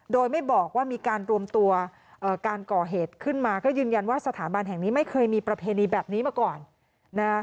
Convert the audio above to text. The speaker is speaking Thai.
โดยไม่บอกว่ามีการรวมตัวการก่อเหตุขึ้นมาก็ยืนยันว่าสถาบันแห่งนี้ไม่เคยมีประเพณีแบบนี้มาก่อนนะฮะ